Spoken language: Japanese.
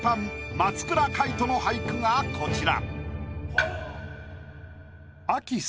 松倉海斗の俳句がこちら。